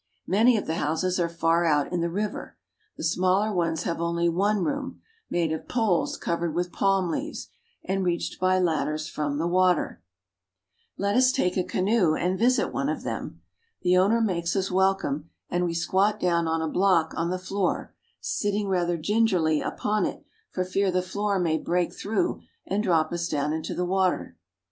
Many of the houses are far out in the river. The smaller ones have only one room, made of poles covered with palm leaves, and reached by ladders from the water. LAND OF THE EQUATOR. 43 " Many of the houses are far out in the river." Let us take a canoe and visit one of them. The owner makes us welcome, and we squat down on a block on the floor, sitting rather gingerly upon it for fear the floor may break through and drop us down into the water.